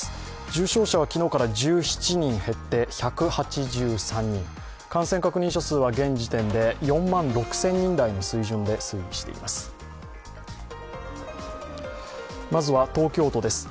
重症者は昨日から１７人減って１８３人感染確認者数は現時点で４万６０００人台の水準で推移しています。